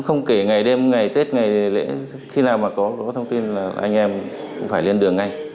không kể ngày đêm ngày tết ngày lễ khi nào mà có thông tin là anh em cũng phải lên đường ngay